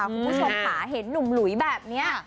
คุณผู้ชมค่ะเห็นหนุ่มหลุยแบบนี้